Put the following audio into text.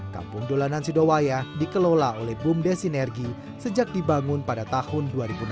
kampung dolanan sidowaya dikelola oleh bumdes sinergi sejak dibangun pada tahun dua ribu enam belas